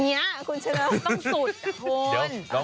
เนี่ยคุณเชิญแล้วต้องสุดโหน